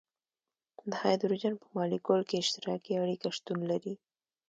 د هایدروجن په مالیکول کې اشتراکي اړیکه شتون لري.